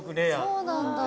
そうなんだ。